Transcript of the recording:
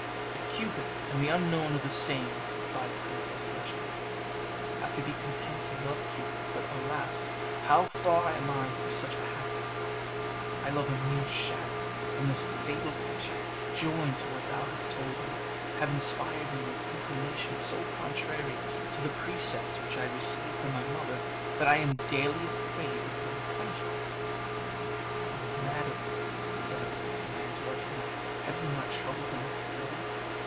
"If Cupid and the unknown are the same," replied the princess, blushing, "I could be content to love Cupid; but alas! how far am I from such a happiness! I love a mere shadow; and this fatal picture, joined to what thou hast told me, have inspired me with inclinations so contrary to the precepts which I received from my mother, that I am daily afraid of being punished for them." "Oh! madam," said Abricotina, interrupting her, "have you not troubles enough already?